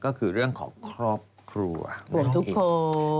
ก็คือเรื่องของครอบครัวของทุกคน